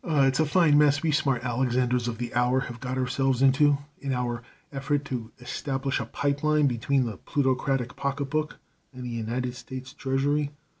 Oh, it's a fine mess we smart Alexanders of the hour have got ourselves into in our effort to establish a pipe line between the plutocratic pocketbook and the United States Treasury.